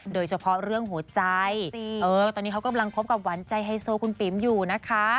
โดยเฉพาะเรื่องหัวใจตอนนี้เขากำลังคบกับหวานใจไฮโซคุณปิ๋มอยู่นะคะ